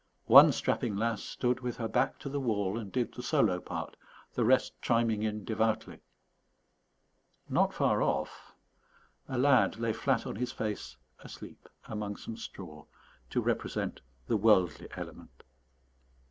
One strapping lass stood with her back to the wall and did the solo part, the rest chiming in devoutly. Not far off, a lad lay flat on his face asleep among some straw, to represent the worldly element.